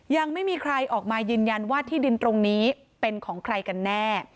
ยังไม่มีใครออกมายืนยันว่าที่ดินตรงนี้เป็นของใครกันแน่